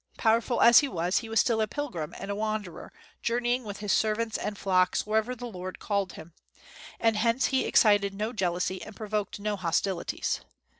Powerful as he was, he was still a pilgrim and a wanderer, journeying with his servants and flocks wherever the Lord called him; and hence he excited no jealousy and provoked no hostilities.